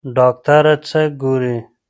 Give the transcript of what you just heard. ډاکټره څه ګوري؟